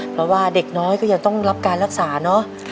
เพราะว่าเด็กน้อยก็ยังต้องรับการรักษาเนอะ